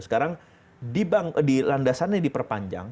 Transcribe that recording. sekarang di landasannya diperpanjang